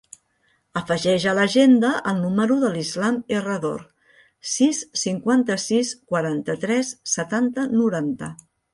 Afegeix a l'agenda el número de l'Islam Herrador: sis, cinquanta-sis, quaranta-tres, setanta, noranta.